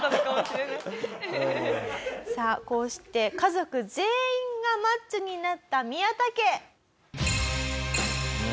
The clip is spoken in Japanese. さあこうして家族全員がマッチョになったミヤタ家。